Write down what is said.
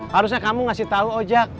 harusnya kamu ngasih tahu ojek